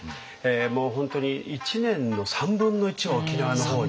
もう本当に一年の３分の１は沖縄の方に。